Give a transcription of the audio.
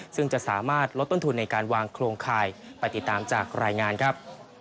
ซึ่งจะสามารถลดต้นทุนในการวางโครงข่ายไปติดตามจากรายงานครับ